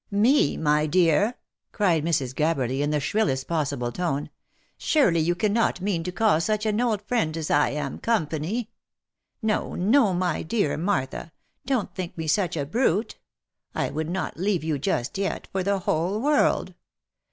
" Me ! my dear!" cried Mrs. Gabberly, in the shrillest possible tone. " Surely you cannot mean to call such an old friend as I am, com pany ? No, no, my dear Martha. Don't think me such a brute ! I would not leave you just yet, for the whole world